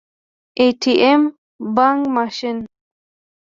🏧 بانګ ماشین